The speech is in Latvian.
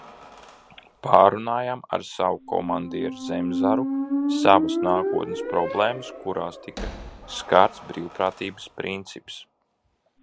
Pārrunājām ar savu komandieri Zemzaru savas nākotnes problēmas, kurās tika skarts brīvprātības princips.